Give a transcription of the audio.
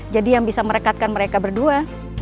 jadi yang bisa merekatkan mereka berdua